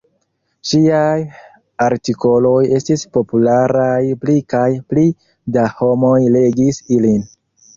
Ŝiaj artikoloj estis popularaj, pli kaj pli da homoj legis ilin.